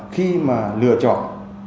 khi mà lựa chọn